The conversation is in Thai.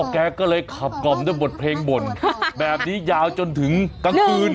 แกก็เลยขับกล่อมด้วยบทเพลงบ่นแบบนี้ยาวจนถึงกลางคืน